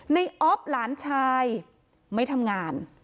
อ๊อฟหลานชายไม่ทำงาน